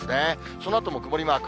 そのあとも曇りマーク。